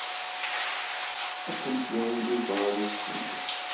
Ad kent-yawi Yuba ɣer usegnaf.